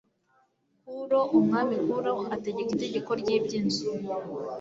Kuro Umwami Kuro ategeka itegeko ry iby inzu